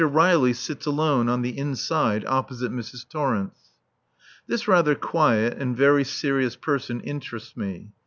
Riley sits alone on the inside opposite Mrs. Torrence. This rather quiet and very serious person interests me.